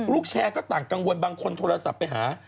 แชร์ก็ต่างกังวลบางคนโทรศัพท์ไปหา